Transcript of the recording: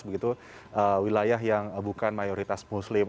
begitu wilayah yang bukan mayoritas muslim